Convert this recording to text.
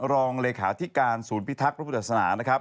รองเลขาธิการศูนย์พิทักษ์พระพุทธศาสนานะครับ